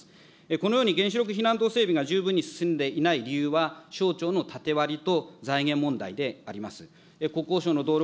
このように、原子力避難道整備が十分に進んでいない理由は、省庁の縦割りと財源問題であります。